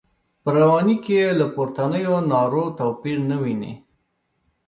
په رواني کې یې له پورتنیو نارو توپیر نه ویني.